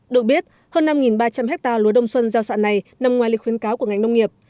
được biết hơn năm ba trăm linh hectare lúa đông xuân gieo xạ này nằm ngoài lịch khuyến cáo của ngành nông nghiệp